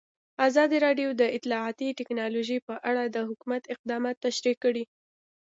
ازادي راډیو د اطلاعاتی تکنالوژي په اړه د حکومت اقدامات تشریح کړي.